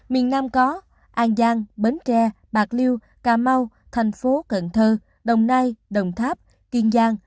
miền nam có an giang bến tre bạc liêu cà mau thành phố cần thơ đồng nai đồng tháp kiên giang